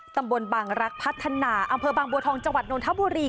ตำบลบางรักพัฒนาอำเภอบางบัวทองจังหวัดนทบุรี